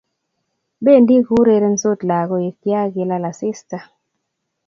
bendi ku urerensot lagok ya kilal asista